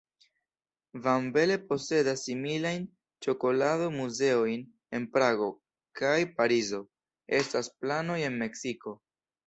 Van Belle posedas similajn ĉokolado-muzeojn en Prago kaj Parizo; estas planoj en Meksiko.